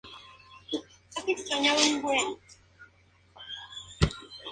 Caído Mahuad, el partido se dividió.